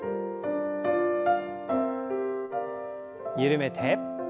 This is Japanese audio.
緩めて。